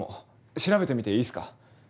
調べてみていいっすか？